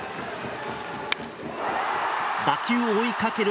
打球を追いかける